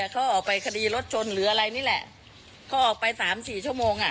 เขาออกไปคดีรถชนหรืออะไรนี่แหละเขาออกไปสามสี่ชั่วโมงอ่ะ